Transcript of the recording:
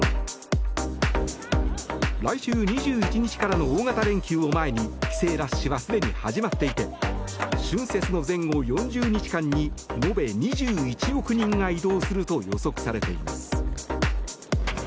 来週２１日からの大型連休を前に帰省ラッシュはすでに始まっていて春節の前後４０日間に延べ２１億人が移動すると予測されています。